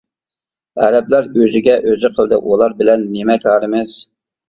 ئەرەبلەر ئۆزىگە ئۆزى قىلدى، ئۇلار بىلەن نېمە كارىمىز.